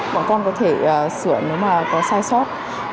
bọn con có thể sửa nếu mà có sai sót